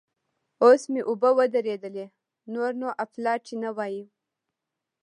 اوس مې اوبه ودرېدلې؛ نور نو اپلاتي نه وایم.